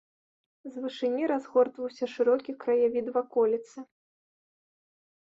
З вышыні разгортваўся шырокі краявід ваколіцы.